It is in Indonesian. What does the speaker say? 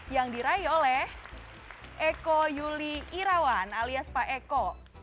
yang diraih oleh eko yuli irawan alias pak eko